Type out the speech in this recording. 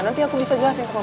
nanti aku bisa jelasin ke om